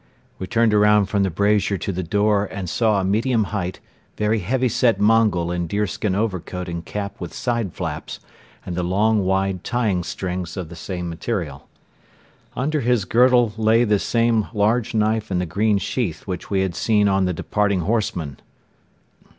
We turned around from the brazier to the door and saw a medium height, very heavy set Mongol in deerskin overcoat and cap with side flaps and the long, wide tying strings of the same material. Under his girdle lay the same large knife in the green sheath which we had seen on the departing horseman.